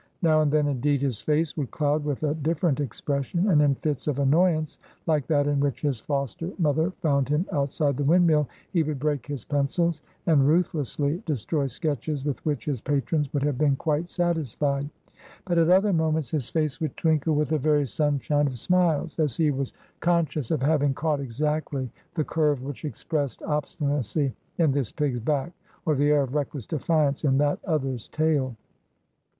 Now and then, indeed, his face would cloud with a different expression, and in fits of annoyance, like that in which his foster mother found him outside the windmill, he would break his pencils, and ruthlessly destroy sketches with which his patrons would have been quite satisfied. But at other moments his face would twinkle with a very sunshine of smiles, as he was conscious of having caught exactly the curve which expressed obstinacy in this pig's back, or the air of reckless defiance in that other's tail.